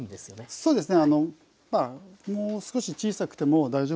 そうですね。